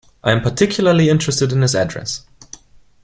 I am particularly interested in his address.